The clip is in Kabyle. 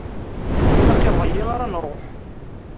Ilaq iḍ-ayi ara nruḥ.